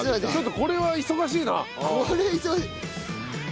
これは忙しい。